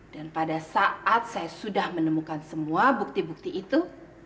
dan pada saat saya sudah menemukan semua bukti bukti itu